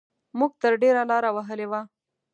موږ تر ډېره لاره وهلې وه.